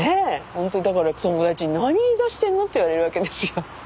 ほんとにだから友達に何目指してんの？って言われるわけですよ。